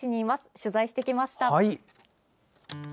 取材してきました。